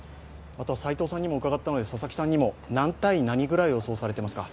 斎藤さんにも伺ったので、佐々木さんにも。何対何ぐらいを予想していますか？